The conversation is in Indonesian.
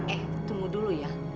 eh tunggu dulu ya